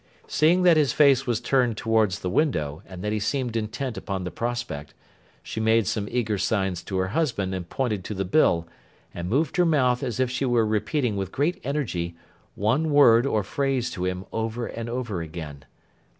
Seeing that his face was turned toward the window, and that he seemed intent upon the prospect, she made some eager signs to her husband, and pointed to the bill, and moved her mouth as if she were repeating with great energy, one word or phrase to him over and over again.